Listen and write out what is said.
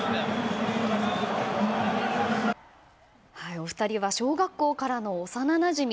お二人は小学校からの幼なじみ。